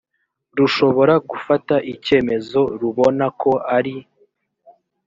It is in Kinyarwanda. rushobora gufata icyemezo rubona ko ari